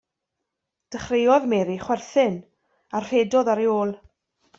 Dechreuodd Mary chwerthin, a rhedodd ar ei ôl.